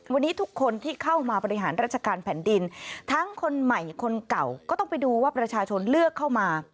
วันนี้ทุกคนที่เข้ามาบริหารราชการแผ่นดินทั้งคนใหม่คนเก่าก็ต้องไปดูว่าประชาชนเลือกเข้ามา